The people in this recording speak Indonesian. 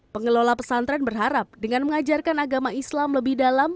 pengelola pesantren berharap dengan mengajarkan agama islam lebih dalam